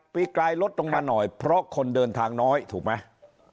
ปีกลายลดลงมาหน่อยเพราะคนเดินทางน้อยถูกไหม